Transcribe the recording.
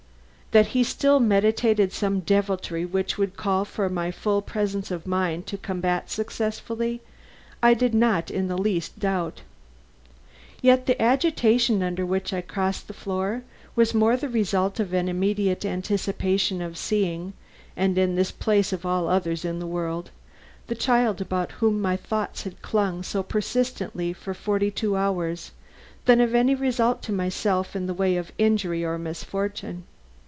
That he still meditated some deviltry which would call for my full presence of mind to combat successfully, I did not in the least doubt. Yet the agitation under which I crossed the floor was more the result of an immediate anticipation of seeing and in this place of all others in the world the child about whom my thoughts had clung so persistently for forty two hours, than of any results to myself in the way of injury or misfortune.